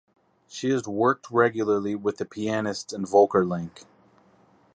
She has worked regularly with the pianists and Volker Link.